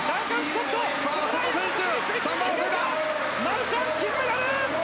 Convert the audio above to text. マルシャン、金メダル！